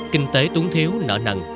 kinh tế tuấn thiếu nở nần